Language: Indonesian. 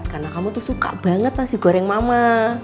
karena kamu tuh suka banget nasi goreng mama